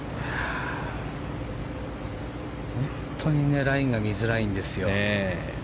本当にラインが見づらいんですよ。